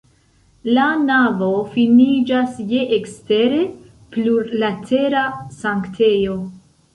La navo finiĝas je ekstere plurlatera sanktejo.